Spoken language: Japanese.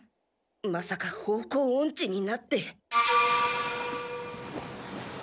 まさか方向オンチになって。